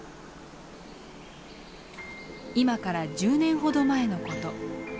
今から１０年ほど前のこと。